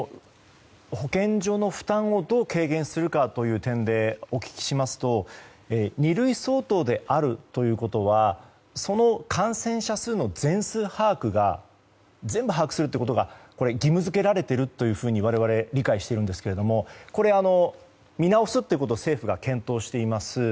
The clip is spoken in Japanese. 保健所の負担をどう軽減するかという点でお聞きしますと二類相当であるということはその感染者数の全数把握全部把握するということが義務付けられてるというふうに我々、理解しているんですが見直すということを政府が検討しています。